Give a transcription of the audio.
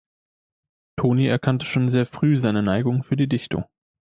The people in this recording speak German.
Toni erkannte schon sehr früh seine Neigung für die Dichtung.